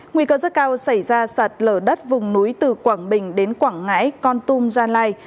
nguy cơ rất cao xảy ra sạt lở đất vùng núi từ quảng bình đến quảng ngãi con tum gia lai